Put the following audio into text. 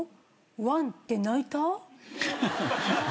ワン！って鳴いた？